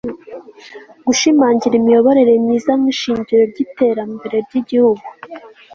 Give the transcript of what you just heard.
gushimangira imiyoborere myiza nk'ishingiro ry'iterambere ry'igihugu